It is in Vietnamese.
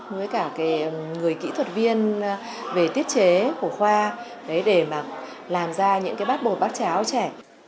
với cả người kỹ thuật viên về tiết chế của khoa để mà làm ra những cái bát bột bát cháo trẻ